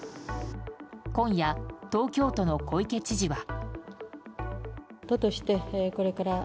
今夜、東京都の小池知事は。